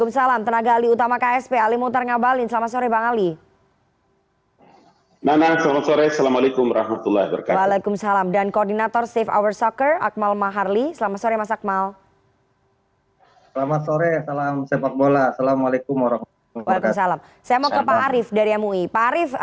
selamat sore pak arief